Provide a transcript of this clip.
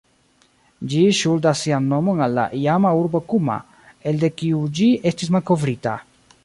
Ĝi ŝuldas sian nomon al la iama urbo Kuma, elde kiu ĝi estis malkovrita.